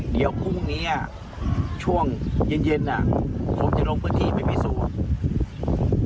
เดี๋ยวพรุ่งนี้ช่วงเย็นเย็นอ่ะผมจะลงพื้นที่ไปพิสูจน์